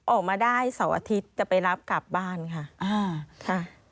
ออกมาได้เสาร์อาทิตย์จะไปรับกลับบ้านค่ะอ่าค่ะ